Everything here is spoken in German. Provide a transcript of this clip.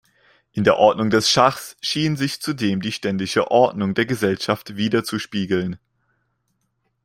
In der Ordnung des Schachs schien sich zudem die ständische Ordnung der Gesellschaft widerzuspiegeln.